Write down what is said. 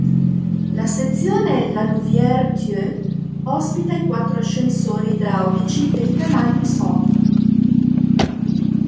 La sezione La Louvière-Thieu ospita i quattro ascensori idraulici del Canal du Centre.